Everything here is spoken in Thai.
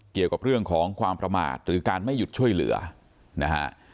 เกี่ยวกับเรื่องของความประมาทหรือการไม่หยุดช่วยเหลือนะฮะ